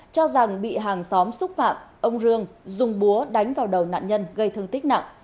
cho rằng bị hàng xóm xúc phạm ông rương dùng búa đánh vào đầu nạn nhân gây thương tích nặng